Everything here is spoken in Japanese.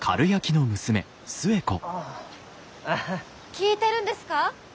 聞いてるんですか？